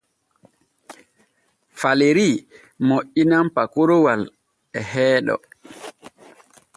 Falerii moƴƴinan pakoroowal e heeɗo.